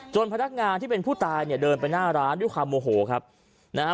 พนักงานที่เป็นผู้ตายเนี่ยเดินไปหน้าร้านด้วยความโมโหครับนะฮะ